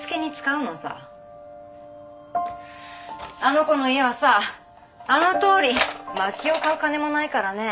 あの子の家はさあのとおり薪を買う金もないからね。